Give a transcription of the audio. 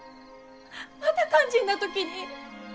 また肝心な時に。